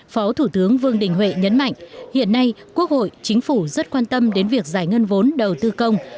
phó thủ tướng vương đình huệ nhấn mạnh hiện nay quốc hội chính phủ rất quan tâm đến việc giải ngân vốn đầu tư công